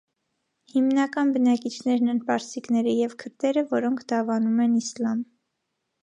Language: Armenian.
Հիմնական բնակիչներն են պարսիկները և քրդերը, որոնք դավանում են իսլամ։